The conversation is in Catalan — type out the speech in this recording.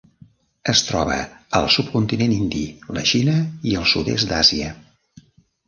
Es troba al subcontinent indi, la Xina i el sud-est d'Àsia.